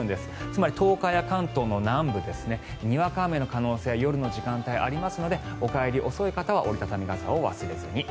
つまり、東海や関東の南部にわか雨の可能性が夜の時間帯はありますのでお帰り、遅い方は折り畳み傘を忘れずに。